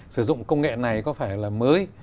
sử dụng công nghệ này có phải là mới